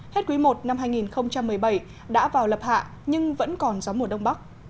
hết quý i năm hai nghìn một mươi bảy đã vào lập hạ nhưng vẫn còn gió mùa đông bắc